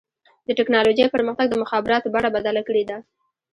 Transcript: د ټکنالوجۍ پرمختګ د مخابراتو بڼه بدله کړې ده.